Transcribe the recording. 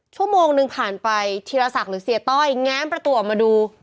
ชั่วโมงหนึ่งผ่านไปธีรศักดิ์หรือเสียต้อยแง้มประตูออกมาดู